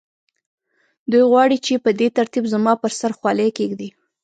دوی غواړي چې په دې ترتیب زما پر سر خولۍ کېږدي